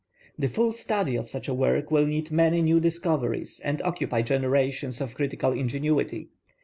The full study of such a work will need many new discoveries and occupy generations of critical ingenuity.